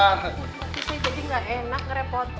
nanti saya jadi gak enak ngerepotin